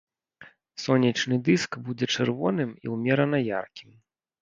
Сонечны дыск будзе чырвоным і ўмерана яркім.